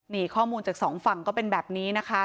นี่ข้อมูลจากสองฝั่งก็เป็นแบบนี้นะคะ